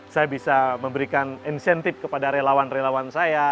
saya bisa memberikan insentif kepada relawan relawan saya